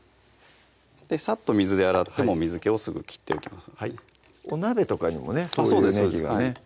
さっと水で洗って水気をすぐ切っておきますのでお鍋とかにもねそういうねぎはね